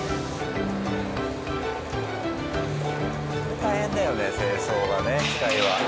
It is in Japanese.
大変だよね清掃がね機械は。